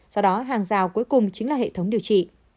do đó hàng rào cuối cùng chính là hệ thống điều trị